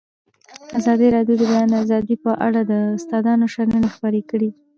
ازادي راډیو د د بیان آزادي په اړه د استادانو شننې خپرې کړي.